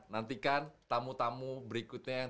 nantikan tamu tamu berikutnya yang